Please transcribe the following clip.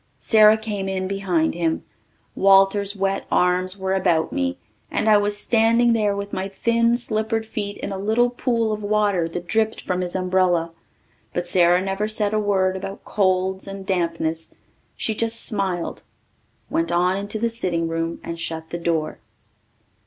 Sara came in behind him. Walter's wet arms were about me and I was standing there with my thin slippered feet in a little pool of water that dripped from his umbrella. But Sara never said a word about colds and dampness. She just smiled, went on into the sitting room, and shut the door.